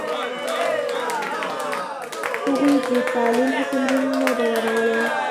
هغوی د تعلیم حکم روڼ نه بیانولو.